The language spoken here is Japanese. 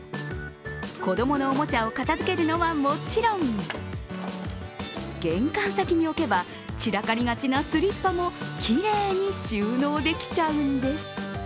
子供のおもちゃを片付けるのはもちろん、玄関先に置けば散らかりがちなスリッパもきれいに収納できちゃうんです。